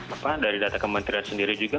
apa dari data kementerian sendiri juga